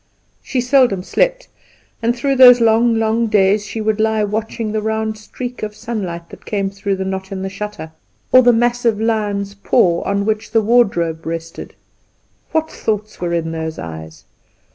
She seldom slept, and through those long, long days she would lie watching the round streak of sunlight that came through the knot in the shutter, or the massive lion's paw on which the wardrobe rested. What thoughts were in those eyes?